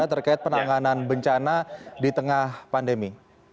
catatan anda terkait penanganan bencana di tengah pandemi